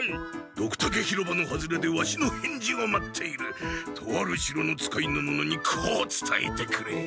ドクタケ広場の外れでワシの返事を待っているとある城の使いの者にこうつたえてくれ。